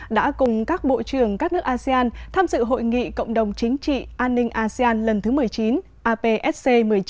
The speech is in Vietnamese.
đã cùng các bộ trưởng các nước asean tham dự hội nghị cộng đồng chính trị an ninh asean lần thứ một mươi chín apsc một mươi chín